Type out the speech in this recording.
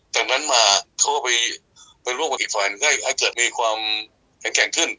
จากนั้นเขาก็ไปร่วมกันอีกฝ่ายให้เกิดมีความแข็งขึ้น